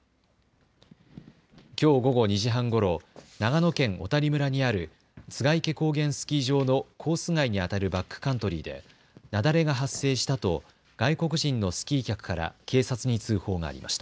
きょう午後２時半ごろ、長野県小谷村にある栂池高原スキー場のコース外にあたるバックカントリーで雪崩が発生したと外国人のスキー客から警察に通報がありました。